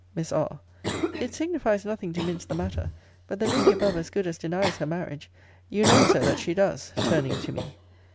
Miss R. It signifies nothing to mince the matter: but the lady above as good as denies her marriage. You know, Sir, that she does; turning to me.